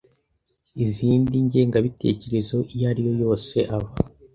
iz indi ngengabitekerezo iyo ari yo yose aba